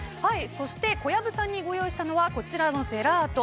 そして小籔さんにご用意したのはこちらのジェラート。